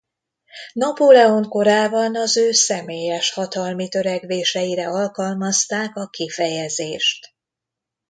Napóleon korában az ő személyes hatalmi törekvéseire alkalmazták a kifejezést.